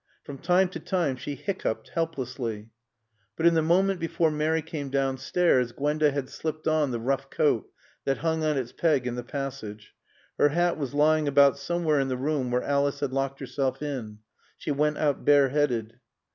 From time to time she hiccoughed helplessly. But in the moment before Mary came downstairs Gwenda had slipped on the rough coat that hung on its peg in the passage. Her hat was lying about somewhere in the room where Alice had locked herself in. She went out bareheaded.